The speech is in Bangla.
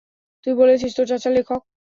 তুই বলেছিস তোর চাচা লেখক।